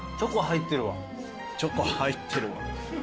・「チョコ入ってるわ」